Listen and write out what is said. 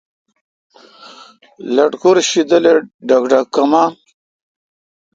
لٹکور شیدل اؘ ڈوگ دوگ کیمان۔